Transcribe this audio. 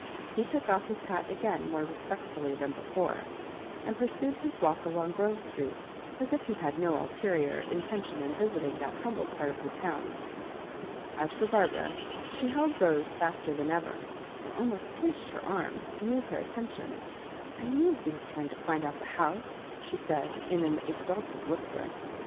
He took off his hat again more respectfully than before, and pursued his walk along Grove Street, as if he had no ulterior in tention in visiting that humble part of the town. As for Barbara, she held Rose faster than ever, and almoKt pinched her arm to move her atten tiop. " I knew he was trying to find out the house,*^ she said, in an exultant whisper.